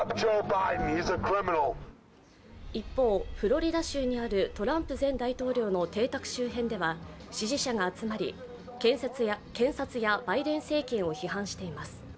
一方、フロリダ州にあるトランプ前大統領の邸宅周辺では支持者が集まり、検察やバイデン政権を批判しています。